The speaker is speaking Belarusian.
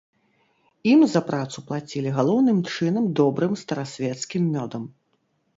Ім за працу плацілі галоўным чынам добрым старасвецкім мёдам.